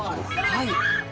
はい。